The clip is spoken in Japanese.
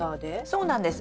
そうなんです。